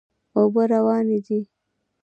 اوبه روانې دي.